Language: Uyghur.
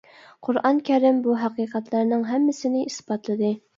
قۇرئان كەرىم بۇ ھەقىقەتلەرنىڭ ھەممىسىنى ئىسپاتلىدى.